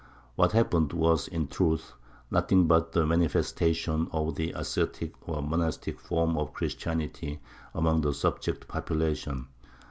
What happened was, in truth, nothing but the manifestation of the ascetic or monastic form of Christianity among the subject populations.